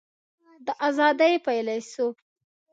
د آزادۍ فیلیسوف